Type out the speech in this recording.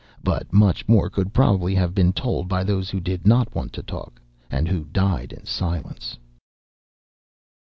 But much more could probably have been told by those who did not want to talk, and who died in silence.